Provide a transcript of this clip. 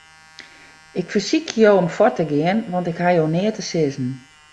Ik fersykje jo om fuort te gean, want ik haw jo neat te sizzen.